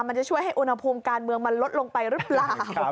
มันจะช่วยให้อุณหภูมิการเมืองมันลดลงไปหรือเปล่า